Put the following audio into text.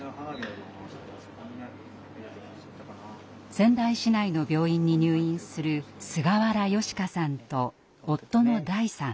仙台市内の病院に入院する菅原嘉花さんと夫の大さん。